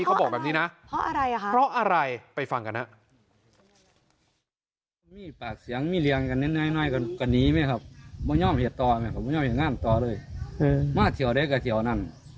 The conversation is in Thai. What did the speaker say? เขาบอกแบบนี้นะ